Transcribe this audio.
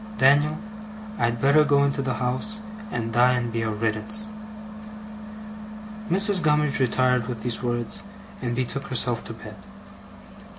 Dan'l, I'd better go into the house, and die and be a riddance!' Mrs. Gummidge retired with these words, and betook herself to bed.